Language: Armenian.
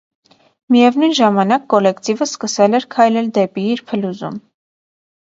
Միևնույն ժամանակ կոլեկտիվը սկսել էր քայլել դեպի իր փլուզում։